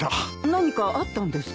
何かあったんですか？